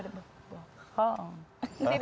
tidak boleh berbohong